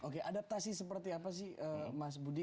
oke adaptasi seperti apa sih mas budi